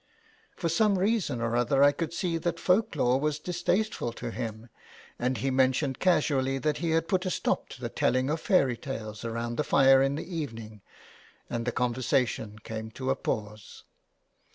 For some reason or other I could see that folk lore was distasteful to him, and he mentioned casually that he had put a stop to the telling of fairy tales round the fire in the evening, and the conversation came to a pause.